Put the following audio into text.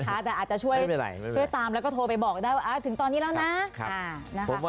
ไม่เป็นไรแต่อาจจะช่วยตามและโทรไปบอกได้ว่าถึงตอนนี้แล้วนะ